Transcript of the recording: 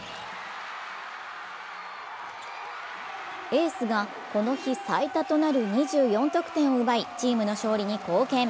エースが、この日最多となる２４得点を奪い、チームの勝利に貢献